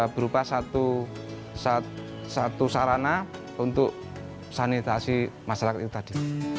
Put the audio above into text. berupa satu sarana untuk sanitasi masyarakat itu tadi